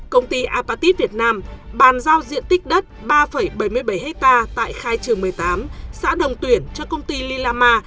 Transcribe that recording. công ty apatit việt nam bàn giao diện tích đất ba bảy mươi bảy ha tại khai trường một mươi tám xã đồng tuyển cho công ty lilama